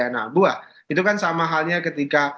nah buah itu kan sama halnya ketika